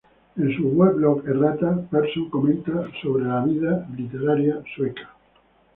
En su weblog "Errata" Persson comenta acerca de la vida literaria Sueca.